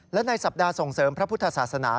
และในสัปดาห์ส่งเสริมพระพุทธศาสนา